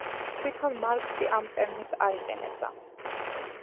თვითონ მარქსი ამ ტერმინს არ იყენებდა.